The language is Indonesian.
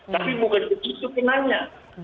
tapi bukan begitu benarnya